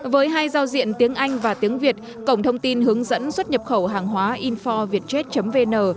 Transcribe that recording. với hai giao diện tiếng anh và tiếng việt cổng thông tin hướng dẫn xuất nhập khẩu hàng hóa infovietjet vn